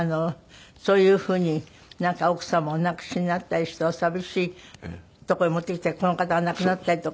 そういうふうに奥様をお亡くしになったりしてお寂しいとこへもってきてこの方が亡くなったりとか。